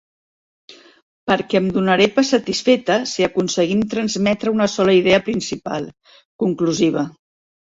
Perquè em donaré per satisfeta si aconseguim transmetre una sola idea principal, conclusiva.